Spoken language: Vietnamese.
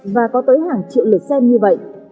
và có tới hàng triệu lượt xem như vậy